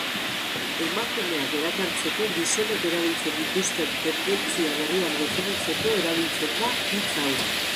Emakumeak erakartzeko gizonek erabiltzen dituzten tendentzia berriak definitzeko erabiltzen da hitz hau.